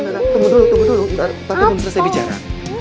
tunggu dulu papa mau selesai bicara